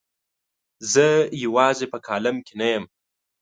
زه یوازې په کالم کې نه یم.